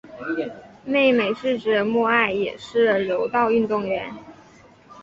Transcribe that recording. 妹妹志志目爱也是柔道运动员。